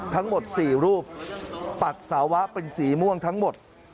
ทั้งหมด๔รูปปัสสาวะเป็นสีม่วงทั้งหมด